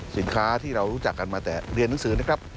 สินค้าที่เรารู้จักกันมาแต่เรียนหนังสือนะครับ